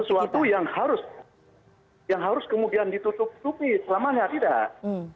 sesuatu yang harus kemudian ditutup tutupi selamanya tidak